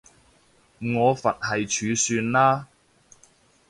我佛系儲算了